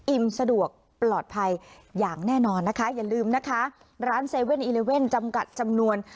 อิ่มสะดวกปลอดภัยอย่างแน่นอนนะคะอย่าลืมนะคะร้านเซเว่นอีเลเว่นจำกัดจำนวน